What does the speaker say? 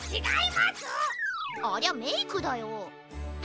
ありゃメイクだよ。